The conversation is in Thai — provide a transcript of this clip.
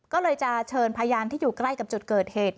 ก็เลยจะเชิญพยานที่อยู่ใกล้กับจุดเกิดเหตุ